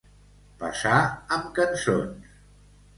Passar amb cançons.